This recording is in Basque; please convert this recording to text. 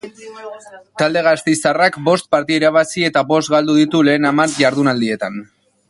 Talde gasteiztarrak bost partida irabazi eta bost galdu ditu lehen hamar jardunaldietan.